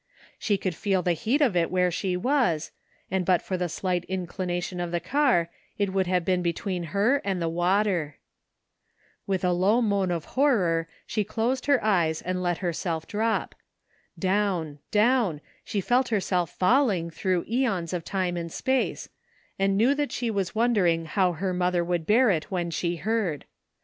She could feel the heat of it where she was, and but for the slight inclination of the car it would have been between her and the water. With a low moan of horror she closed her eyes and 32 THE FINDING OF JASPER HOLT let herself drop. Down, down, she felt herself falling, through aeons of time and space, and knew tha/t she was wondering how her mother would bear it when she heard.